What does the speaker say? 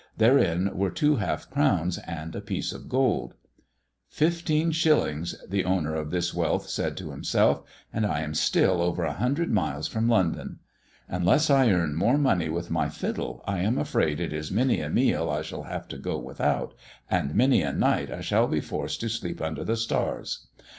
Therein were two half crowns and a piece of gold. " Fifteen shillings," the owner of this wealth said to him self, "and I am still over a hundred miles from London. Unless I earn more money with my fiddle I am afraid it is many a meal I shall have to go without, and many a night I shall be forced to sleep under the stars.